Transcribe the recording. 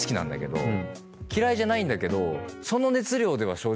嫌いじゃないんだけど。